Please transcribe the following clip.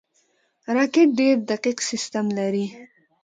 راکټ ډېر دقیق سیستم لري